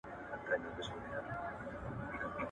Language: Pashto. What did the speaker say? فني مهارت د اجناسو په توليد کي ډېروالی راولي.